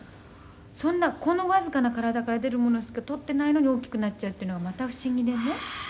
「そんなこのわずかな体から出るものしか取っていないのに大きくなっちゃうっていうのがまた不思議でね」